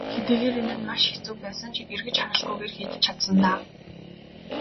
Хэдийгээр энэ нь маш хэцүү байсан ч эргэж харалгүйгээр хийж чадсан даа.